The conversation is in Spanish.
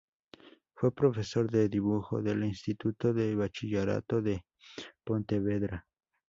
Fue profesor de dibujo del Instituto de Bachillerato de Pontevedra.